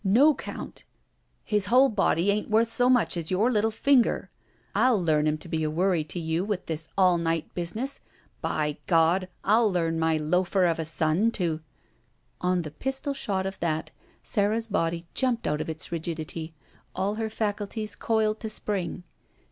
No 'count! His whole body ain't worth so much as your little finger. I'll learn him to be a worry to you with this all night business. By God! I'll learn my loafer of a son to—" On the pistol shot of that, Sara's body jumped out of its rigidity, all her faculties coiled to spring.